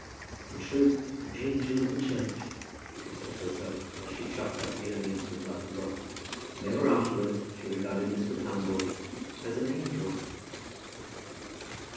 "In truth an angel of the church," she said to herself as she chopped up the onions for the mutton broth; and ever afterwards she regarded Mr. Thumble as an "angel."